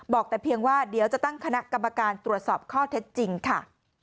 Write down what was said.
บอกแต่เพียงว่าเดี๋ยวจะตั้งคณะกรรมการตรวจสอบข้อเท็จจริงค่ะ